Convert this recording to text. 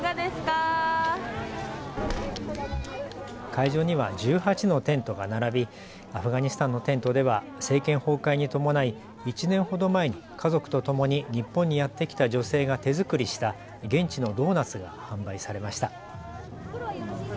会場には１８のテントが並びアフガニスタンのテントでは政権崩壊に伴い１年ほど前に家族とともに日本にやって来た女性が手作りした現地のドーナツが販売されました。